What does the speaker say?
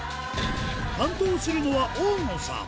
担当するのは大野さん。